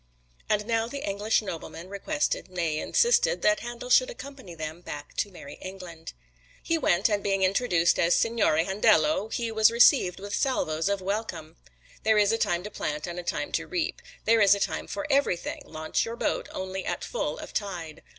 And now the English noblemen requested nay, insisted that Handel should accompany them back to Merry England. He went, and being introduced as Signore Handello, he was received with salvos of welcome. There is a time to plant, and a time to reap. There is a time for everything launch your boat only at full of tide.